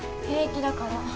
平気だから。